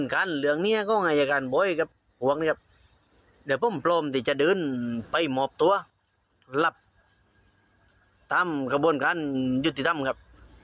เดี๋ยวผมพร้อมที่จะเดินไปหมอบตัวรับตามกระบวนการยุติธรรมครับ